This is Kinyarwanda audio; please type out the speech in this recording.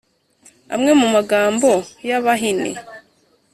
amwe mu magambo y’abahin